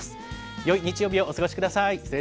よい日曜日をお過ごしください。